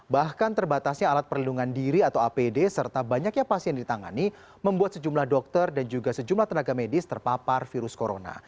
bahkan terbatasnya alat perlindungan diri atau apd serta banyaknya pasien ditangani membuat sejumlah dokter dan juga sejumlah tenaga medis terpapar virus corona